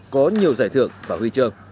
đầu giải thưởng vào huy trường